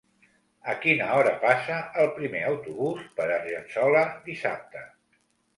A quina hora passa el primer autobús per Argençola dissabte?